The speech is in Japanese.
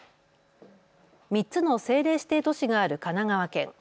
３つの政令指定都市がある神奈川県。